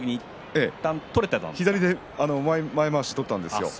左で前まわしを１回目取ったんですね